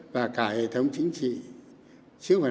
và cả hệ thống chính trị chứ không phải là ghét bỏ